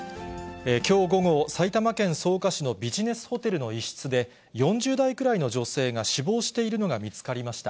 きょう午後、埼玉県草加市のビジネスホテルの一室で、４０代くらいの女性が死亡しているのが見つかりました。